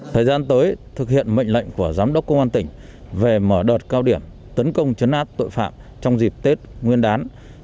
thời gian tới thực hiện mệnh lệnh của giám đốc công an tỉnh về mở đợt cao điểm tấn công chấn áp tội phạm trong dịp tết nguyên đán